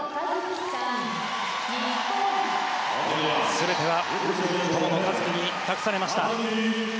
全ては友野一希に託されました。